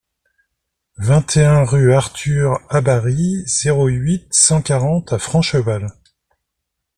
vingt et un rue Arthur Habary, zéro huit, cent quarante à Francheval